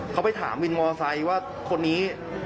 เขาไปถามวินมอไซค์ว่าคนนี้